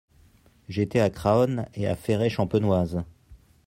J'étais a Craonne et a Fere-Champenoise.